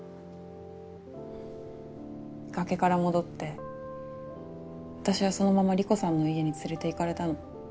崖から戻って私はそのまま理子さんの家に連れて行かれたの。